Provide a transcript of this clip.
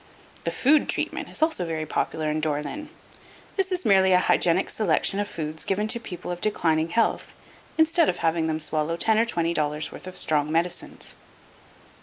The "Food Treatment" is also very popular in Dore lyn. This is merely a hygienic selection of foods given to people of declining health, instead of having them swallow ten or twenty dollars' worth of strong medicines.